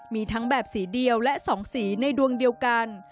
มีทั้งแบบสีเดียวและ๒สีในดวงเดียวกัน